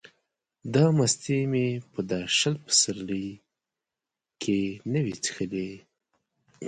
دا مستې مې په دا شل پسرلیه کې نه وې څښلې.